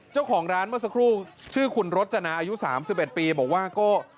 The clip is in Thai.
เจ้าของร้านเมื่อสักครู่ชื่อคุณรจนาอายุ๓๑ปีบอกว่าก็